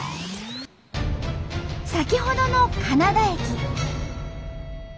先ほどの金田駅。